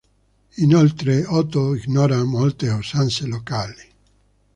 Inoltre Otto ignora molte usanze locali.